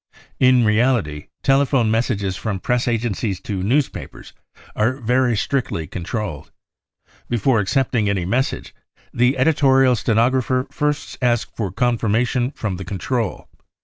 In reality telephone messages from press agencies to newspapers are very strictly controlled. Before accepting any message, the editorial stenographer first asks for confirmation from the control.